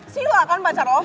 silahkan pacar lo